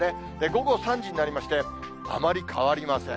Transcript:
午後３時になりまして、あまり変わりません。